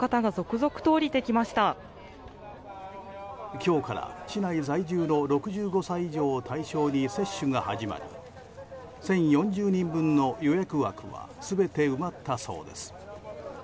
今日から市内在住の６５歳以上を対象に接種が始まり１０４０人分の予約枠は全て埋まったそうです。